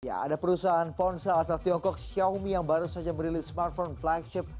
ada perusahaan ponsel asal tiongkok xiaomi yang baru saja merilis smartphone flagship